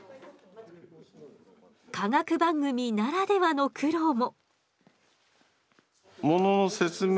科学番組ならではの苦労も。